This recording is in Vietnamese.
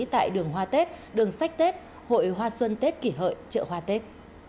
tại đường hoa tết đường sách tết hội hoa xuân tết kỷ hợi chợ hoa tết